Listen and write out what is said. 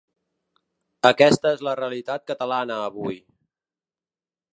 Aquesta és la realitat catalana avui.